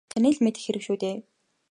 Таны л мэдэх хэрэг шүү дээ.